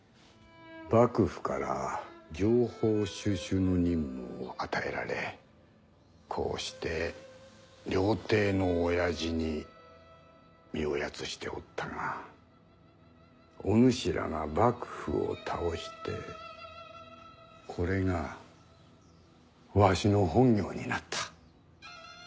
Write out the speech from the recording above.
幕府から情報収集の任務を与えられこうして料亭のおやじに身をやつしておったがお主らが幕府を倒してこれがわしの本業になった。